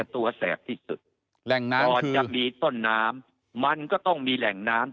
ตัวแสบที่สุดแหล่งน้ำก่อนจะมีต้นน้ำมันก็ต้องมีแหล่งน้ำ